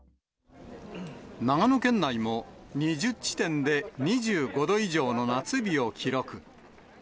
長野県内も、２０地点で２５度以上の夏日を記録。